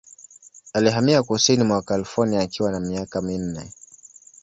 Alihamia kusini mwa California akiwa na miaka minne.